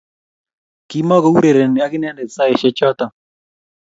Kimoko urereni ak inet saishek chotok